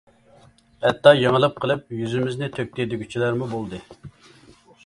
ھەتتا «يېڭىلىپ قېلىپ يۈزىمىزنى تۆكتى» دېگۈچىلەرمۇ بولدى.